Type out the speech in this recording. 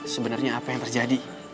sebenernya apa yang terjadi